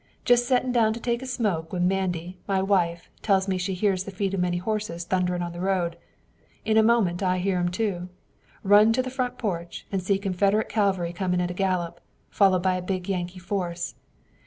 Just settin' down to take a smoke when Mandy, my wife, tells me she hears the feet of many horses thunderin' on the road. In a moment I hear 'em, too. Run to the front porch, and see Confederate cavalry coming at a gallop, followed by a big Yankee force.